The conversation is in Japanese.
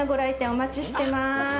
お待ちしてます。